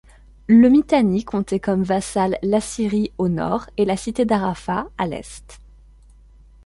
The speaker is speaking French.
Le Mittani comptait comme vassales l'Assyrie au nord et la cité d'Arrapha à l'est.